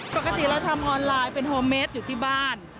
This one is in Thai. ปกติเราทำออนไลน์เป็นโฮเมสอยู่ที่บ้าน